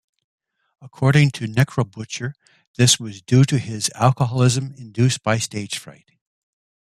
According to Necrobutcher, this was due to his alcoholism induced by stage fright.